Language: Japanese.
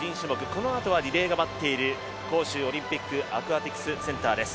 このあとはリレーが待っている杭州オリンピックアクアティクスセンターです。